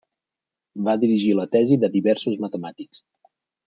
Va dirigir la tesi de diversos matemàtics.